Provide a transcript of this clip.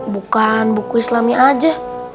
bukan buku islami aja